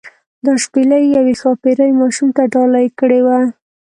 دا شپیلۍ یوې ښاپیرۍ ماشوم ته ډالۍ کړې وه.